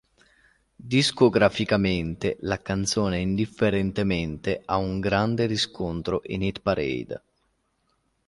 Discograficamente, la canzone "Indifferentemente" ha un grande riscontro in hit parade.